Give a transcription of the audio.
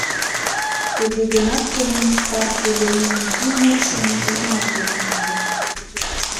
Туге гынат Коммунист партий Ленинын тӱҥ мутшым нигунамат ок мондо.